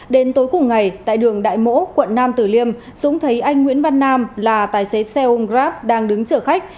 đến tối cùng ngày tại đường đại mỗ quận nam tử liêm dũng thấy anh nguyễn văn nam là tài xế xe ôm grab đang đứng chở khách